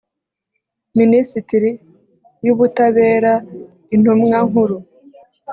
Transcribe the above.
minisitiri y’ubutabera intumwa nkuru